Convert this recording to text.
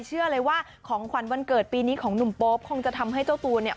เชื่อเลยว่าของขวัญวันเกิดปีนี้ของหนุ่มโป๊ปคงจะทำให้เจ้าตัวเนี่ย